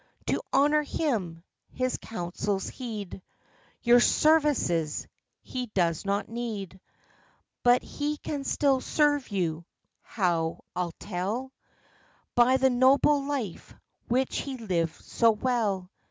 To honor him, his counsels heed; Your services he does not need. But he can still serve you. How ?' I'll tell : By the noble life which he lived so well."